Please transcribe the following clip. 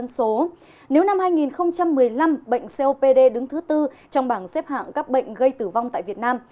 nếu năm hai nghìn một mươi năm bệnh copd đứng thứ tư trong bảng xếp hạng các bệnh gây tử vong tại việt nam